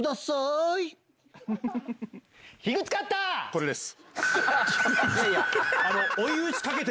これです。